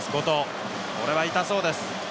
これは痛そうです。